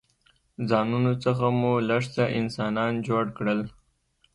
ځانونو څخه مو لږ څه انسانان جوړ کړل.